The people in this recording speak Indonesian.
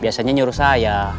biasanya nyuruh saya